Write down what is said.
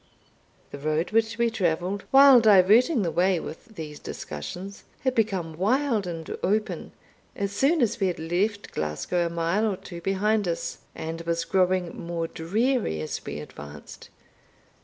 The road which we travelled, while diverting the way with these discussions, had become wild and open, as soon as we had left Glasgow a mile or two behind us, and was growing more dreary as we advanced.